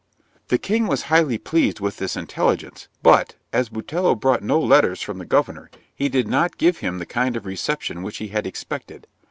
'The king was highly pleased with this intelligence, but, as Botelho brought no letters from the governor, he did not give him the kind of reception which he had expected.